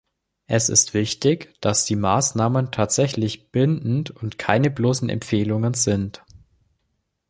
Es ist wichtig, dass die Maßnahmen tatsächlich bindend und keine bloßen Empfehlungen sind.